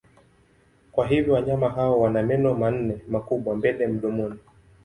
Kwa hivyo wanyama hawa wana meno manne makubwa mbele mdomoni.